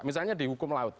misalnya di hukum laut